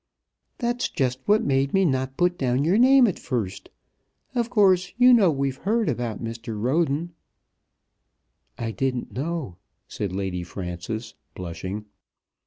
"That's just what made me not put down your name at first. Of course you know we've heard about Mr. Roden?" "I didn't know," said Lady Frances, blushing.